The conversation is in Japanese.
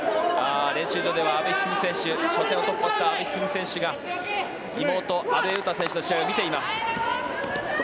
練習場では初戦を突破した阿部一二三選手が妹・阿部詩選手の試合を見ています。